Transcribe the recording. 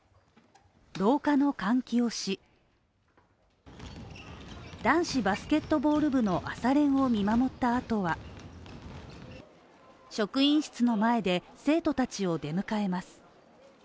廊下の換気をし、男子バスケットボール部の朝練を見守ったあとは、職員室の前で生徒たちを出迎えます。